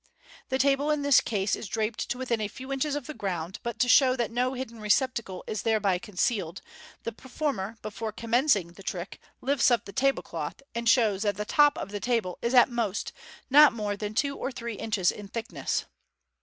The table in this case is draped to within a few inches of the ground, but to show that no hidden receptacle is thereby concealed, the performer before commencing the trick lifts up the table cloth, and shows that the top of the table is at most not more than two or three inches in thickness.